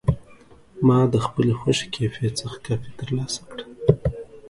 ما د خپلې خوښې کیفې څخه کافي ترلاسه کړه.